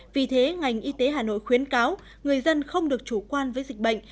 vì thế ngành y tế hà nội khuyến cáo người dân không được chủ quan với dịch bệnh